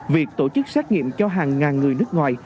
việc tổ chức xét nghiệm cho hàng ngàn người nước ngoài